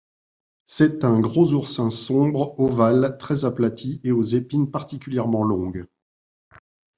C'est un gros oursin sombre, ovale, très aplati et aux épines particulièrement longues.